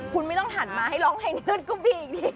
คุณไม่ต้องถัดมาให้ร้องเพลงนั้นก็มีอีกที